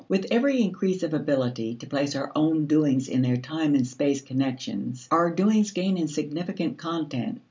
With every increase of ability to place our own doings in their time and space connections, our doings gain in significant content.